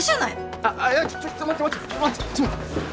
あっちょっ待って待って。